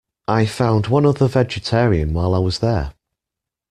I found one other vegetarian while I was there.